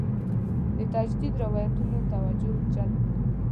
د تجدید روایتونه توجه نه جلب کړې.